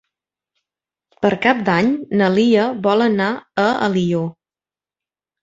Per Cap d'Any na Lia vol anar a Alió.